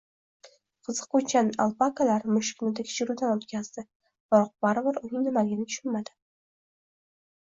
Qiziquvchan alpakalar mushukni “tekshiruvdan” o‘tkazdi. Biroq baribir uning nimaligini tushunmadi